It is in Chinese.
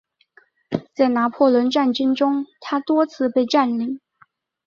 在拿破仑战争中它多次被占领。